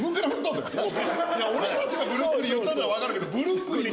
俺たちがブルックリン言ったんなら分かるけど。